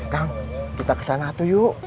kang kita kesana tuh yuk